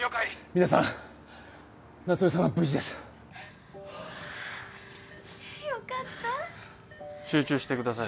皆さん夏梅さんは無事ですはあよかった集中してください